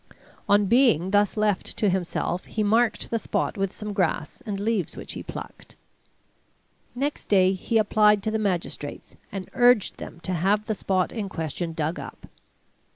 On being thus left to himself, he marked the spot with some grass and leaves which he plucked. Next day he applied to the magistrates, and urged them to have the spot in question dug up.